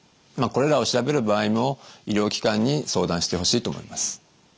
これらを調べる場合も医療機関に相談してほしいと思います。